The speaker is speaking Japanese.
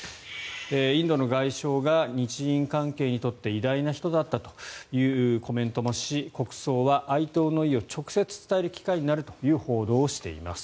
インドの外相が日印関係にとって偉大な人だったというコメントをし国葬は哀悼の意を直接伝える機会になるという報道をしています。